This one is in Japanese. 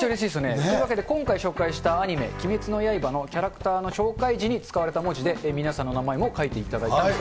というわけで、今回、紹介したアニメ、鬼滅の刃のキャラクターの紹介時に使われた文字で皆さんの名前も書いていただきました。